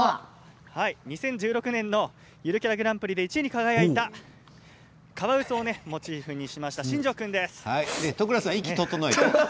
２０１６年のゆるキャラグランプリでグランプリに輝いたカワウソをモチーフにした都倉さん、息を整えて。